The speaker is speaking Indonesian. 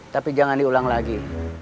tapi jangan diulang lagi